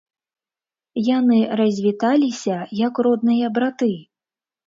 Яны развіталіся, як родныя браты.